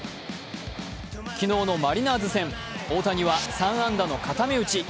昨日のマリナーズ戦、大谷は３安打の固め打ち。